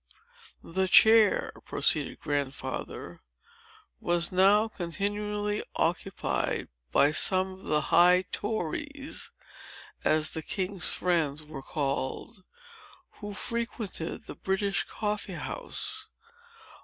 "The chair," proceeded Grandfather, "was now continually occupied by some of the high tories, as the king's friends were called, who frequented the British Coffee House.